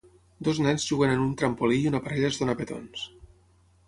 Dos nens juguen en un trampolí i una parella es dona petons.